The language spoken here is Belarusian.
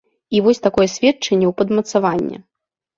І вось такое сведчанне ў падмацаванне.